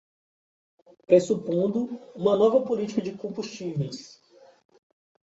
Pressupondo uma nova política de combustíveis